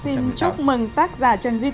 xin chúc mừng tác giả trần duy tình